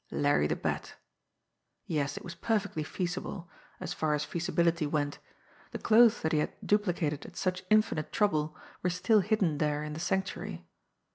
Larry the Bat! Yes, it was perfectly feasible, as far as feasibility went. The clothes that he had duplicated at such infinite trouble were still hidden there in the Sanctuary.